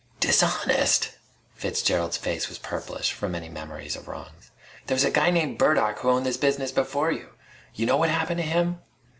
"Dishonest!" Fitzgerald's face was purplish, from many memories of wrongs. "There was a guy named Burdock who owned this business before you. Y'know what happened to him?"